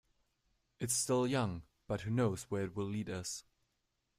It's still young, but who knows where it will lead us.